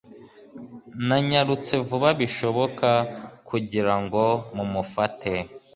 Nanyarutse vuba bishoboka kugira ngo mumufate.